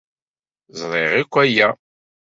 Ẓriɣ akk aya.